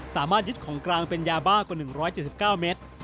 สามารถยึดของกลางเป็นยาบ้ากว่า๑๗๙เมตร